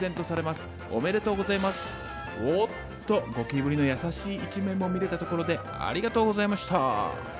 おっとゴキブリの優しい一面も見れたところでありがとうございました。